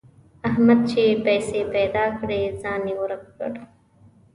احمد چې پیسې پيدا کړې؛ ځان يې ورک کړ.